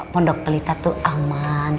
pondok pelita tuh aman